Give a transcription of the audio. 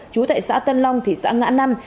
chú tại xã tân long thị xã ngã năm